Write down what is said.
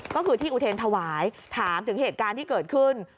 ก็คือที่อุเทรนธวายถามถึงเหตุการณ์ที่เกิดขึ้น